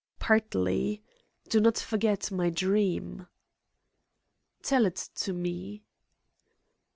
"Partly. Do not forget my dream." "Tell it to me."